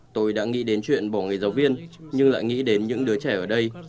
tôi đã nghĩ đến chuyện bỏ nghề giáo viên nhưng lại nghĩ đến những đứa trẻ ở đây